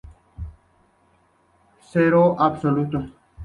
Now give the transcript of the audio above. Cero absoluto.